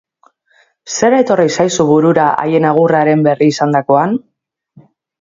Zer etorri zaizu burura haien agurraren berri izandakoan?